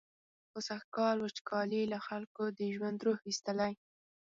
خو سږکال وچکالۍ له خلکو د ژوند روح ویستلی.